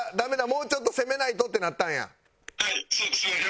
もうちょっと攻めないと」ってなったんや？